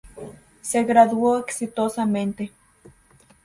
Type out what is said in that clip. Se graduó exitosamente.